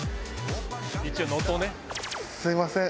すいません